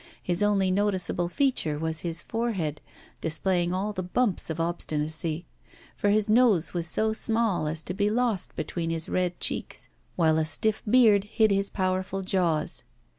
His only noticeable feature was his forehead, displaying all the bumps of obstinacy; for his nose was so small as to be lost between his red cheeks, while a stiff beard hid his powerful jaws.